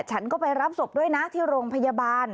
ฉันก็ไปรับศพด้วยนะที่โรงพยาบาล